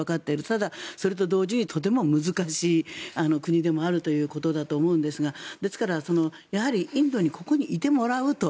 ただ、それと同時にとても難しい国でもあるということだと思うんですがですから、やはりインドにここにいてもらうと。